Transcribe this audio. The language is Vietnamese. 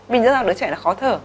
vì như thế nào đứa trẻ nó khó thở